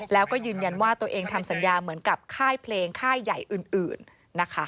แล้วก็ยืนยันว่าตัวเองทำสัญญาเหมือนกับค่ายเพลงค่ายใหญ่อื่นนะคะ